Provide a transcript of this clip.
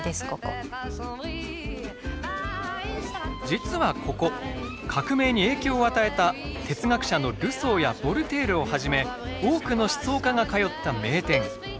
実はここ革命に影響を与えた哲学者のルソーやヴォルテールをはじめ多くの思想家が通った名店。